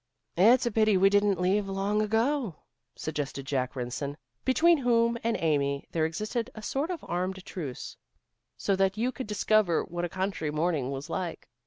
"It's a pity we didn't leave long ago," suggested Jack Rynson, between whom and Amy there existed a sort of armed truce, "so that you could discover what a country morning was like."